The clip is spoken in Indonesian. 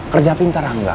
kerja pintar angga